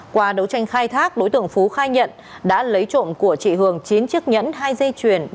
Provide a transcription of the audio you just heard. qua đấu tranh khai thác đối tượng phú khai nhận đã lấy trộm của chị hường chín chiếc nhẫn hai dây chuyền